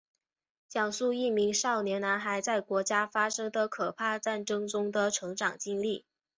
讲述一名少年男孩在国家发生的可怕战争中的成长经历。